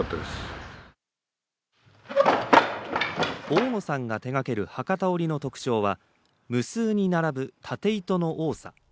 大野さんが手がける博多織の特徴は無数に並ぶ縦糸の多さ。